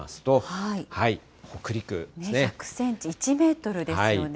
１００センチ、１メートルですよね。